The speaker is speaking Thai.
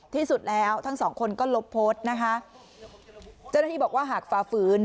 ที่สุดแล้วทั้งสองคนก็ลบโพสต์นะคะเจ้าหน้าที่บอกว่าหากฝ่าฝืน